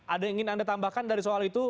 ada yang ingin anda tambahkan dari soal itu